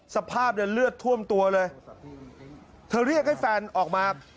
สภาพเนี่ยเลือดท่วมตัวเลยเธอเรียกให้แฟนออกมา